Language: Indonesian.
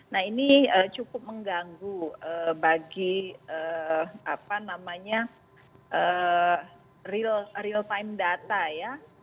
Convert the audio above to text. nah ini cukup mengganggu bagi real time data ya